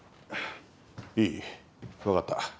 いい分かった。